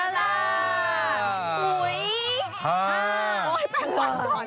โอ๊ย๘แล้ว